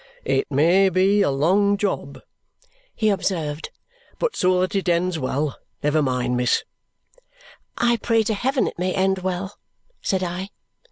"It may be a long job," he observed; "but so that it ends well, never mind, miss." "I pray to heaven it may end well!" said I.